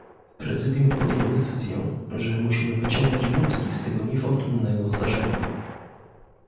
Prezydium podjęło decyzję, że musimy wyciągnąć wnioski z tego niefortunnego zdarzenia